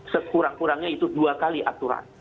sekurang kurangnya itu dua kali aturan